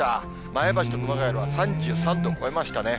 前橋と熊谷では３３度超えましたね。